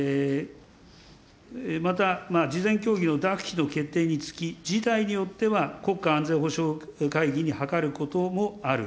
また、事前協議の諾否の決定につき、事態によっては国家安全保障会議に諮ることもある。